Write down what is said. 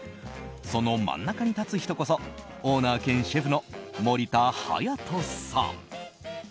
その真ん中に立つ人こそオーナー兼シェフの森田隼人さん。